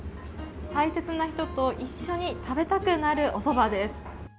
大切な人と一緒に食べたくなるおそばです。